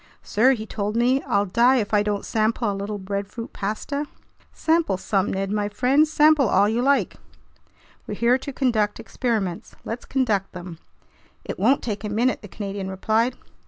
"Sir," he told me, "I'll die if I don't sample a little breadfruit pasta!" "Sample some, Ned my friend, sample all you like. We're here to conduct experiments, let's conduct them." "It won't take a minute," the Canadian replied.